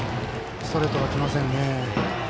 ストレートが来ませんね。